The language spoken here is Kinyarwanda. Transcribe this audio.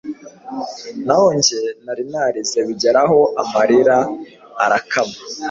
Naho njye nari narize bigera aho amarira arakama